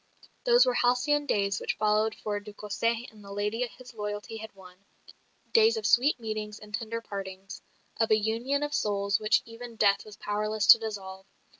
Those were halcyon days which followed for de Cossé and the lady his loyalty had won; days of sweet meetings and tender partings of a union of souls which even death was powerless to dissolve.